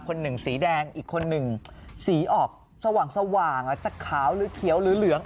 หนึ่งสีแดงอีกคนหนึ่งสีออกสว่างจะขาวหรือเขียวหรือเหลือง